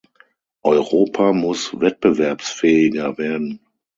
Europa muss wettbewerbsfähiger werden.